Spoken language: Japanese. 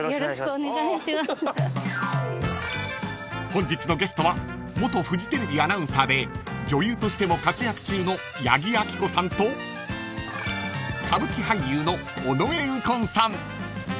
［本日のゲストは元フジテレビアナウンサーで女優としても活躍中の八木亜希子さんと歌舞伎俳優の尾上右近さん］